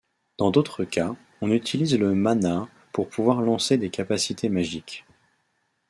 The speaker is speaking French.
Dans d'autre cas, on utilise le mana pour pouvoir lancer des capacités magiques.